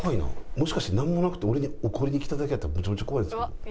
もしかしてなんもなくて俺に怒りに来ただけやったらめちゃめちゃ怖いですけど。